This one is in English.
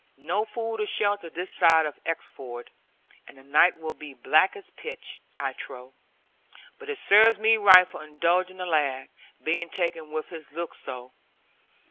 No food or shelter this side of Exeford, and the night will be black as pitch, I trow. But it serves me right for indulging the lad, being taken with his looks so.'